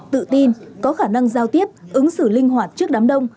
tự tin có khả năng giao tiếp ứng xử linh hoạt trước đám đông